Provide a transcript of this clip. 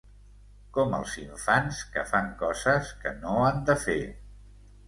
Com els infants que fan coses que no han de fer.